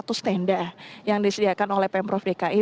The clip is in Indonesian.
satu tenda yang disediakan oleh pemprov dki